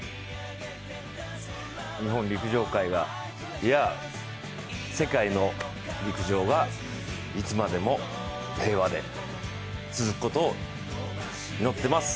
日本陸上界が、いや、世界の陸上がいつまでも平和で続くことを祈っています。